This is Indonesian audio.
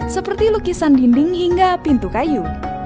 seperti lukisan dinding hingga pintu kayu